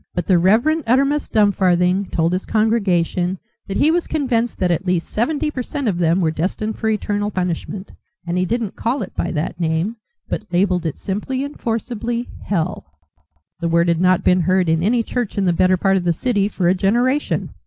But the Rev. Uttermust Dumfarthing told his congregation that he was convinced that at least seventy per cent of them were destined for eternal punishment; and he didn't call it by that name, but labelled it simply and forcibly "hell." The word had not been heard in any church in the better part of the City for a generation.